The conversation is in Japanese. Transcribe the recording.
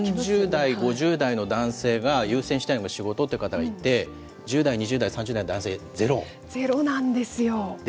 ４０代、５０代の男性が、優先したいのが仕事って方がいて、１０代、２０代、３０代の男性、ゼロ。